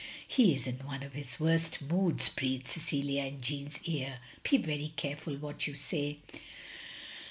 "He is in one of his worst moods," breathed Cecilia in Jeanne's ear, "be very careful what you say.